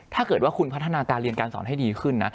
ถ้าเกิดว่าคุณพัฒนาการเรียนการสอนให้ดีขึ้นนะ